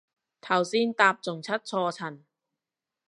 頭先搭仲出錯層